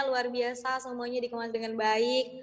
luar biasa semuanya dikemas dengan baik